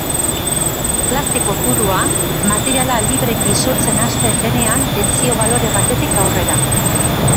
Plastiko purua: materiala libreki isurtzen hasten denean tentsio-balore batetik aurrera.